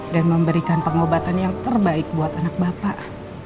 dan memberikan pengobatan yang terbaik buat anak bapak